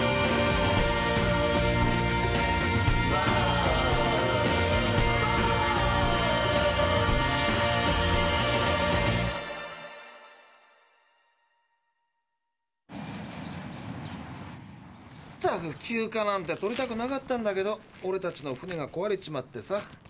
ったく休暇なんて取りたくなかったんだけどオレたちの船がこわれちまってさ。